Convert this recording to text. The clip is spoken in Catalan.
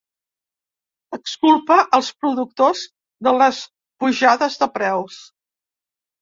Exculpa els productors de les pujades de preus.